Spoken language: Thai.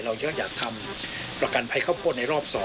เราก็อยากทำประกันภัยข้าวโพดในรอบ๒